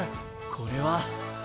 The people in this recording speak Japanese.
これは。